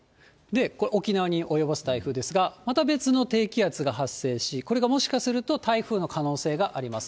沖縄に及ぼす台風ですが、また別の低気圧が発生し、これがもしかすると台風の可能性があります。